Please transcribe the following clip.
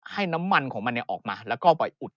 ให้น้ำมันของมันออกมาแล้วก็ไปอุด